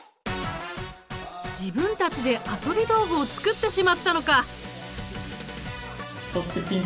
自分たちで遊び道具を作ってしまったのか！